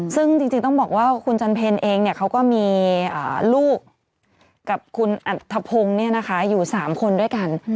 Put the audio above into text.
ซึ่งจริงต้องบอกว่าคุณจันเพลเองเขาก็มีลูกกับคุณอัธพงศ์อยู่๓คนด้วยกัน